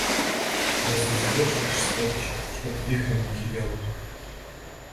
Разве сдержишь смерч, чтоб вихрем не кипел?!